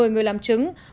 một mươi người làm chứng